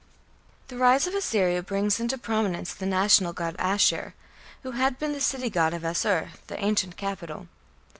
The rise of Assyria brings into prominence the national god Ashur, who had been the city god of Asshur, the ancient capital.